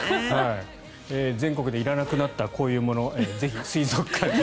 全国でいらなくなったこういうもの、ぜひ、水族館に。